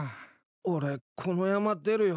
俺この山出るよ。